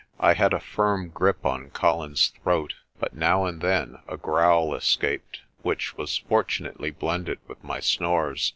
I had a firm grip on Colin's throat, but now and then a growl escaped, which was fortunately blended with my snores.